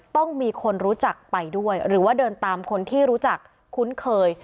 ต้องมีคนรู้จักไปด้วยหรือว่าเดินตามคนที่รู้จักคุ้นเคย